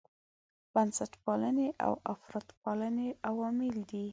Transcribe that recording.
بنسټپالنې او افراطپالنې عوامل دي.